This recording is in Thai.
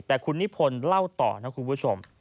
แต่คุณนิพนธ์เล่าต่อนะคุณผู้ชม